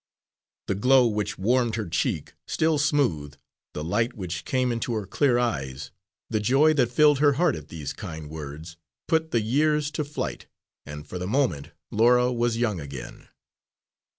The glow which warmed her cheek, still smooth, the light which came into her clear eyes, the joy that filled her heart at these kind words, put the years to flight, and for the moment Laura was young again.